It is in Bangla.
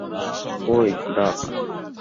ওই, ডার্ক!